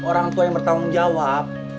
orang tua yang bertanggung jawab